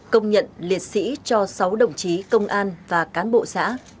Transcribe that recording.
công nhận liệt sĩ cho sáu đồng chí công an và cán bộ xã